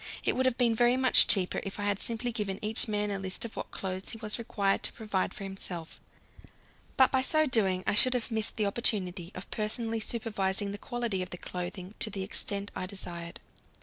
It would have been very much cheaper if I had simply given each man a list of what clothes he was required to provide for himself. But by so doing I should have missed the opportunity of personally supervising the quality of the clothing to the extent I desired.